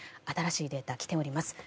新しいデータが来ております。